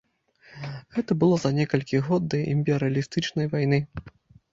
Гэта было за некалькі год да імперыялістычнай вайны.